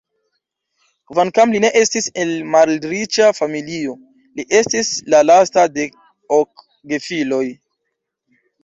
Kvankam li ne estis el malriĉa familio, li estis la lasta de ok gefiloj.